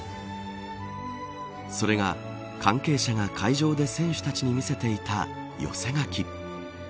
それが関係者が会場で選手たちに見せていた寄せ書き。